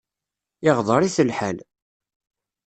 Iɣḍer-it lḥal.